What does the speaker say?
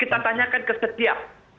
kita tanyakan ke setiap